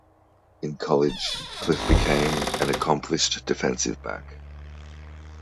In college, Cliff became an accomplished defensive back.